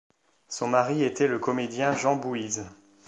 Son mari était le comédien Jean Bouise.